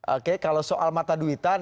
oke kalau soal mata duitan